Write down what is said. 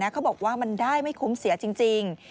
เขาบอกว่ามันได้ไม่คุ้มเสียจริง